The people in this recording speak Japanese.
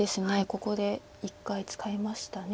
ここで１回使いました。